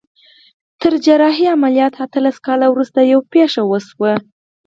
تر جراحي عمليات اتلس کاله وروسته يوه پېښه وشوه.